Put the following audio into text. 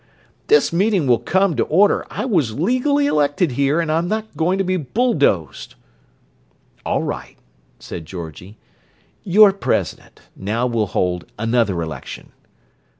"This meeting will come to order! I was legally elected here, and I'm not going to be bulldozed!" "All right," said Georgie. "You're president. Now we'll hold another election."